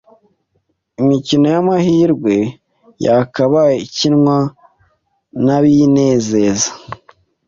Imikino y’amahirwe yakabaye ikinwa n’abinezeza